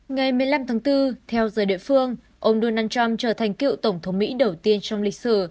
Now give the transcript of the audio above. ngày một mươi năm tháng bốn theo giờ địa phương ông donald trump trở thành cựu tổng thống mỹ đầu tiên trong lịch sử